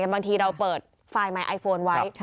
บางทีเราเปิดไฟล์ใหม่ไอโฟนไว้